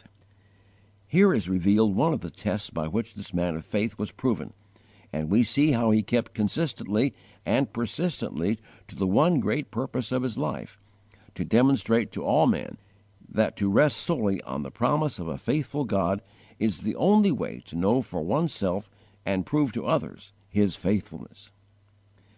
_ We use italics here because here is revealed one of the tests by which this man of faith, was proven; and we see how he kept consistently and persistently to the one great purpose of his life to demonstrate to all men that to rest solely on I the promise of a faithful God is the only way to know for one's self and prove to others, His faithfulness.